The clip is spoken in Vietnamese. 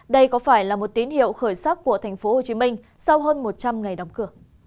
đây có phải là một tín hiệu khởi sắc của tp hcm sau hơn một trăm linh ngày đóng cửa